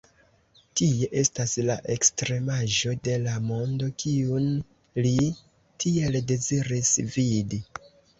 Tie estas la ekstremaĵo de la mondo, kiun li tiel deziris vidi.